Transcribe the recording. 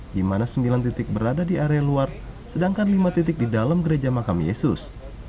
di mana sembilan titik berada di area luar sedangkan lima titik di dalam gereja makam yesus